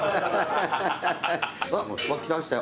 あっ来ましたよ。